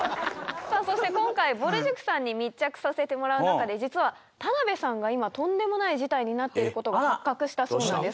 さあそして今回ぼる塾さんに密着させてもらう中で実は田辺さんが今とんでもない事態になっている事が発覚したそうなんです。